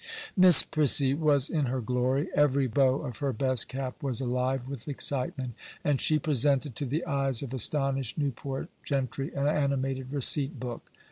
Miss Prissy was in her glory; every bow of her best cap was alive with excitement, and she presented to the eyes of astonished Newport gentry an animated receipt book.